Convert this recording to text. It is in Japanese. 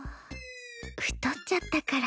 太っちゃったから。